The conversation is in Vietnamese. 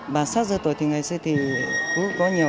bản sát dự tội thì ngày xưa thì cũng có nhiều